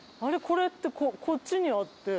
これってこっちにあって。